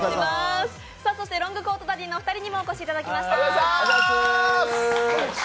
そしてロングコートダディのお二人にもお越しいただきました。